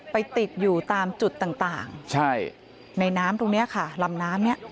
ไปติดอยู่ตามจุดต่างในน้ำตรงนี้ค่ะลำน้ำเนี่ย